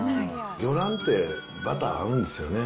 魚卵ってバター合うんですよね。